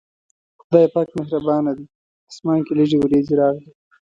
خدای پاک مهربانه دی، اسمان کې لږې وريځې راغلې.